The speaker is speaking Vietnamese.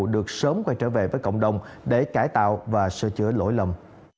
được sớm quay trở về với cộng đồng để cải tạo và sơ chữa lỗi lầm